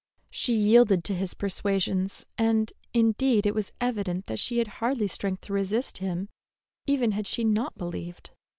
She yielded to his persuasions, and, indeed, it was evident that she had hardly strength to resist him even had she not believed.